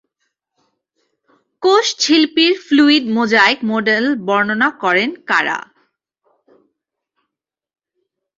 কোষঝিল্পির fluid mosaic model বর্ণনা করেন কারা?